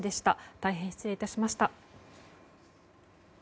大変失礼致しました。